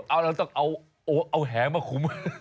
โอ้โฮเอาแหมาคุม